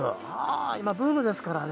今ブームですからね